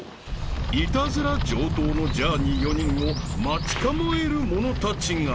［イタズラ上等のジャーニー４人を待ち構える者たちが］